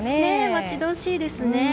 待ち遠しいですね。